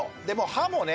歯もね